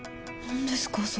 何ですか？